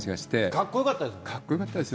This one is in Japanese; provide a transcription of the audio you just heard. かっこよかったですよね。